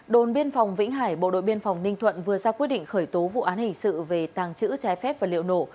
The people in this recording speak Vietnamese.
đồn biên phòng vĩnh hải bộ đội biên phòng ninh thuận vừa ra quyết định khởi tố vụ án hình sự về tàng trữ trái phép và liệu nổ